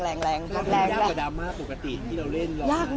หรือยากกว่าดราม่าปกติที่เราเล่นร้องไห้ง่ายกว่า